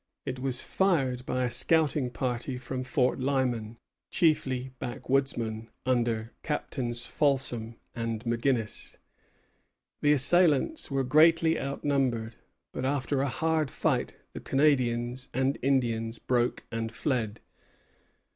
It was fired by a scouting party from Fort Lyman, chiefly backwoodsmen, under Captains Folsom and McGinnis. The assailants were greatly outnumbered; but after a hard fight the Canadians and Indians broke and fled.